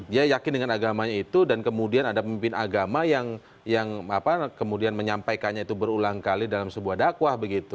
dia yakin dengan agamanya itu dan kemudian ada pemimpin agama yang kemudian menyampaikannya itu berulang kali dalam sebuah dakwah begitu